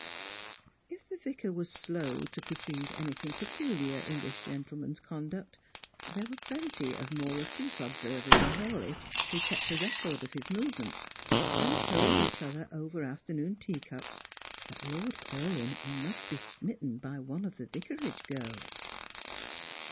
If the Vicar was slow to perceive anything pecuhar in this gentleman's conduct, there were plenty of more acute observers in Hawleigh who kept a record of his movements, and told each otber over afternoon teacups that Lord Paulyn must be smitten by one of the Vicarage girls.